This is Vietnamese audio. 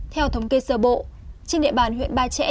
theo thống kê sơ bộ trên địa bàn huyện ba trẻ